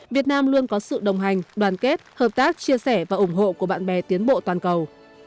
việt nam luôn có sự đồng hành đoàn kết hợp tác chia sẻ và ủng hộ của bạn bè tiến bộ toàn cầu